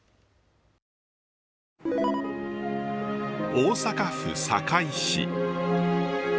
大阪府堺市。